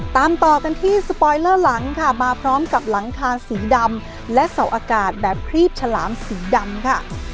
ตามต่อกันที่สปอยเลอร์หลังค่ะมาพร้อมกับหลังคาสีดำและเสาอากาศแบบครีบฉลามสีดำค่ะ